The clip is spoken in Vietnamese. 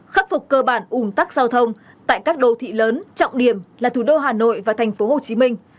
khắc phục cơ bản ủn tắc giao thông tại các đô thị lớn trọng điểm là thủ đô hà nội và thành phố hồ chí minh